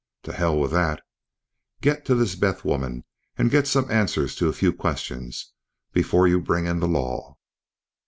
To hell with that. Get to this Beth woman and get some answers to a few questions before you bring in the law.